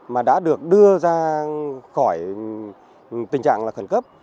mà đã được đưa ra khỏi tình trạng là khẩn cấp